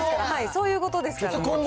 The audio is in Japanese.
そういうことですからね。